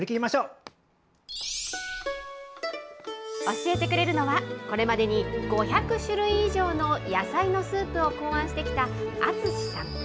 教えてくれるのは、これまでに５００種類以上の野菜のスープを考案してきたアツシさん。